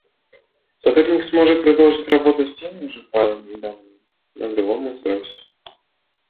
Сотрудник сможет продолжить работу с теми же файлами и данными на другом устройстве